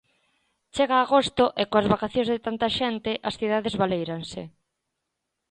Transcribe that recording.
Chega agosto e, coas vacacións de tanta xente, as cidades baléiranse.